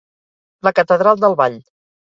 La catedral del Vall